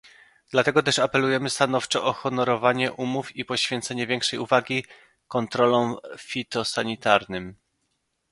Dlatego też apelujemy stanowczo o honorowanie umów i o poświęcenie większej uwagi kontrolom fitosanitarnym